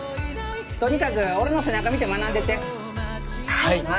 とにかく俺の背中見て学んでってはい